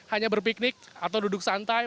hanya berpiknik atau duduk santai